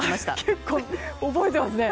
結構覚えていますね。